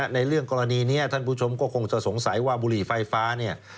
ในเรื่องกรณีนี้ท่านผู้ชมก็คงจะสงสัยว่าบุหรี่ไฟฟ้าเนี่ย